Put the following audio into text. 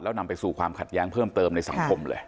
แล้วนำไปสู่ความขัดแย้งเพิ่มเติมในสังคมเลย